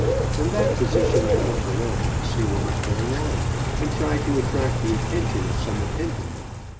From that position I looked around to see what was going on, and tried to attract the attention of some attendant.